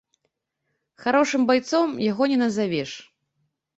Харошым байцом яго не назавеш.